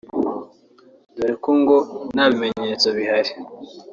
dore ko ngo nta bimenyetso bihari